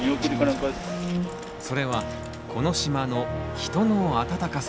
それはこの島の「人のあたたかさ」。